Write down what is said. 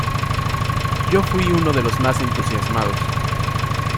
Yo fui uno de los más entusiasmados.